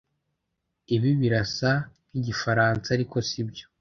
ibi birasa nkigifaransa, ariko sibyo